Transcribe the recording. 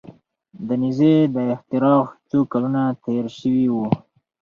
د نیزې د اختراع څو کلونه تیر شوي وو.